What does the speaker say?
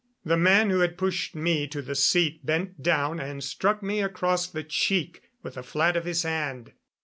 The man who had pushed me to the seat bent down and struck me across the cheek with the flat of his hand.